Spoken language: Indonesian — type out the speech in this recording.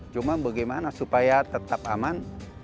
cuma bagaimana supaya tetap aman